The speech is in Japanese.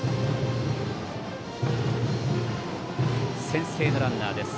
先制のランナーです。